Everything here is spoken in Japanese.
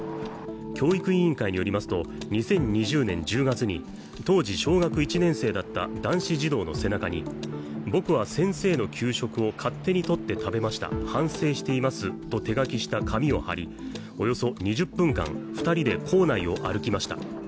教育委員会によりますと、２０２０年１０月に当時小学１年生だった男子児童の背中に、僕は先生の給食を勝手に取って食べました反省していますと手書きした紙を貼り、およそ２０分間、２人で校内を歩きました。